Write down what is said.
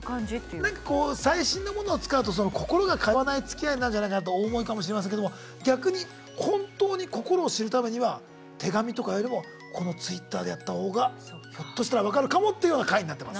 なんかこう最新のものを使うと心が通わないつきあいになるんじゃないかなとお思いかもしれませんけども逆に本当に心を知るためには手紙とかよりもこのＴｗｉｔｔｅｒでやった方がひょっとしたら分かるかもというような回になってます。